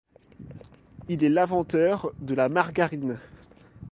Il est l'inventeur de la margarine.